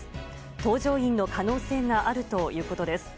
搭乗員の可能性があるということです。